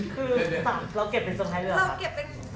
คือเราเก็บเป็นสุดท้ายเรื่องค่ะ